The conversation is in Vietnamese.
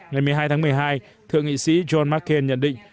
ngày một mươi hai tháng một mươi hai thượng nghị sĩ john mccain nhận định